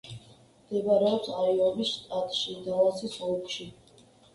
მდებარეობს აიოვის შტატში, დალასის ოლქში.